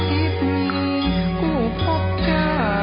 ทรงเป็นน้ำของเรา